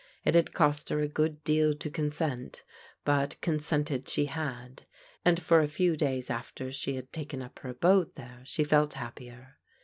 It had cost her a good deal to consent, but consented she had, and for a few days after she had taken up her abode there, she felt happier.